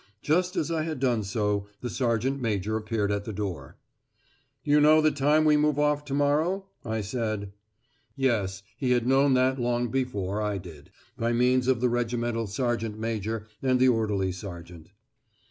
Just as I had done so the sergeant major appeared at the door. "You know the time we move off to morrow?" I said. Yes, he had known that long before I did, by means of the regimental sergeant major and the orderly sergeant.